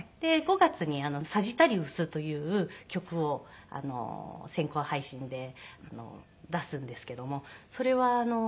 ５月に『サジタリウス』という曲を先行配信で出すんですけども。